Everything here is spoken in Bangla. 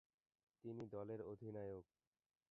তিনি দলের অধিনায়ক।